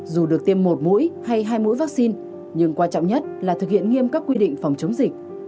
dù được tiêm một mũi hay hai mũi vaccine nhưng quan trọng nhất là thực hiện nghiêm các quy định phòng chống dịch